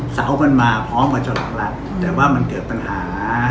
เสามันมาพร้อมกับเจาะหลักละแต่ว่ามันเกิดปัญหา